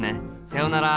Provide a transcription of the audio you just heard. さようなら。